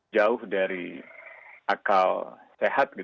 jauh dari akal sehat